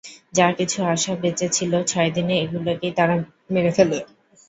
যা কিছু আশা বেঁচেছিলো ছয় দিনে এগুলোকেও তারা মেরে ফেলে।